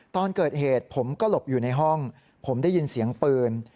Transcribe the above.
ตอนเกิดเหตุผมก็หลบอยู่ในห้องผมได้ยินเสียงปืน